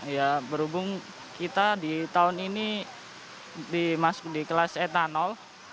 ya berhubung kita di tahun ini masuk di kelas etanol